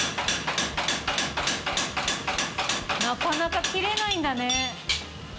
なかなか切れないんだね。